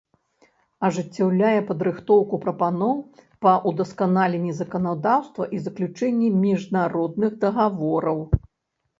Ажыццяўляе падрыхтоўку прапаноў па ўдасканаленнi заканадаўства i заключэннi мiжнародных дагавораў.